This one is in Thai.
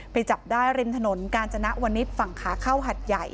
จับได้ริมถนนกาญจนวนิษฐ์ฝั่งขาเข้าหัดใหญ่